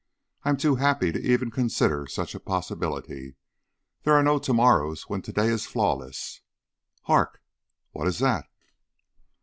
"I am too happy to even consider such a possibility. There are no to morrows when to day is flawless Hark! What is that?"